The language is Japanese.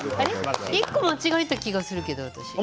１個間違えた気がしますけど。